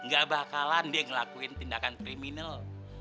gak bakalan dia ngelakuin tindakan kriminal